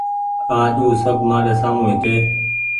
آج او سب مآري سآمون هيتي